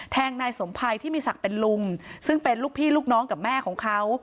นายสมภัยที่มีศักดิ์เป็นลุงซึ่งเป็นลูกพี่ลูกน้องกับแม่ของเขา